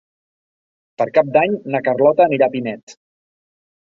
Per Cap d'Any na Carlota anirà a Pinet.